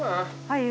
はい。